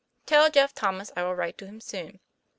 Tell Jeff Thomas I will write to him soon.